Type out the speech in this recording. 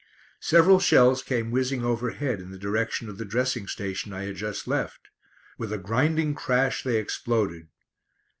Several shells came whizzing overhead in the direction of the dressing station I had just left. With a grinding crash they exploded.